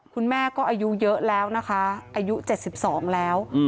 คุณแม่ก็อายุเยอะแล้วนะคะอายุ๗๒แล้ว